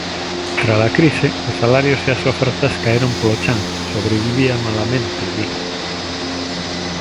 Tras a crise os salarios e as ofertas caeron polo chan, sobrevivía malamente, di.